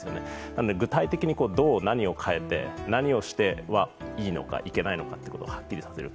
だから、具体的にどう変えて、何をしてはいいのかいけないのかっていうことをはっきりさせる。